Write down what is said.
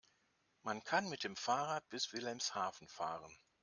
Man kann mit dem Fahrrad bis Wilhelmshaven fahren